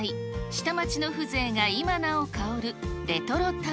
下町の風情が今なお薫るレトロタ